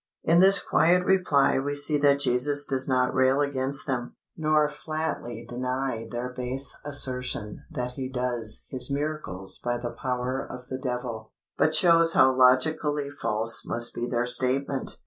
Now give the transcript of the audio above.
In this quiet reply we see that Jesus does not rail against them, nor flatly deny their base assertion that He does His miracles by the power of the Devil, but shows how logically false must be their statement.